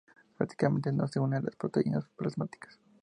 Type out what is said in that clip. Prácticamente no se une a las proteínas plasmáticas.